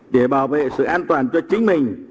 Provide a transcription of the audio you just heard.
để bảo vệ sự an toàn cho chính mình